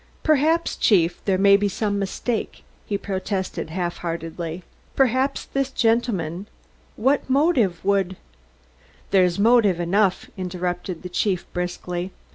"Perhaps, Chief, there may be some mistake?" he protested half heartedly. "Perhaps this gentleman what motive would " "There's motive enough," interrupted the chief briskly.